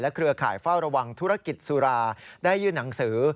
เครือข่ายเฝ้าระวังธุรกิจสุราได้ยื่นหนังสือ